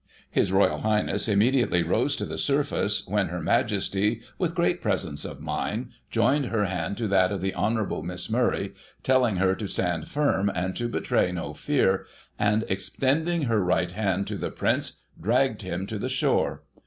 His Royal Highness imme diately rose to the surface, when Her Majesty, with great presence of mind^ joined her hand to that of the Hon. Miss Murray (telling her to stand firm, and to betray no fear), and, extending her right hand to the Prince, dragged him to the shore.